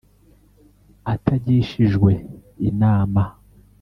atagishijwe inama